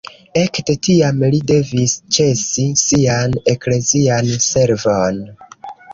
Ekde tiam li devis ĉesi sian eklezian servon.